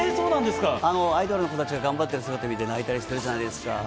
アイドルの子たちが頑張ってる姿を見て泣いたりしてたじゃないですか。